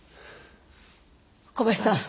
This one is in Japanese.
小林さん